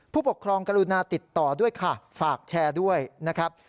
ผู้ปกครองกรุณาติดต่อด้วยค่ะฝากแชร์ด้วยนะครับ